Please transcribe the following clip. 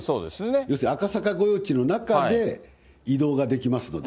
要するに赤坂御用地の中で移動ができますので。